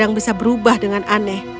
kadang kadang bisa berubah dengan aneh